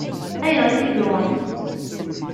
Ayɣer i t-id-tuɣemt?